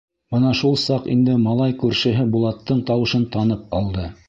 Бына шул саҡ инде малай күршеһе Булаттың тауышын танып алды.